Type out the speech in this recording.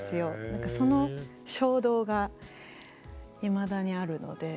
何かその衝動がいまだにあるので。